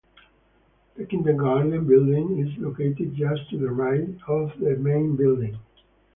The kindergarten building is located just to the right of the main building.